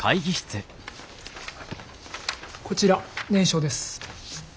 こちら念書です。